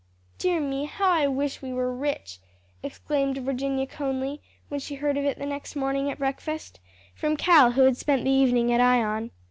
"Dear me, how I wish we were rich!" exclaimed Virginia Conly when she heard of it the next morning at breakfast, from Cal, who had spent the evening at Ion.